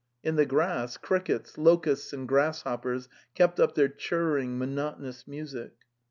In the grass crickets, locusts and grasshoppers kept up their churring, mo notonous music.